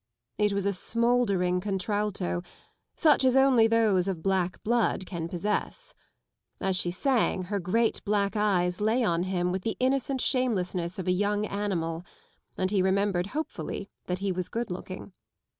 It was smouldering contralto such as only those of black blood can possess. As she sang her great black eyes lay on him with the innocent shamelessness of a young animal, and he remembered hopefully that he was good looking.